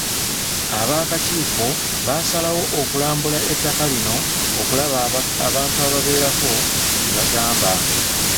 Ab'akakiiko baasalawo okulambula ettaka lino okulaba abantu ababeerako kye bagamba.